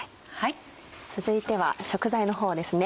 続いては食材の方ですね。